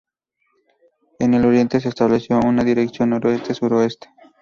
En el oriente se estableció una dirección noreste-suroeste.